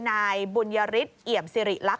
นายบุญยฤทธิเอี่ยมสิริลักษ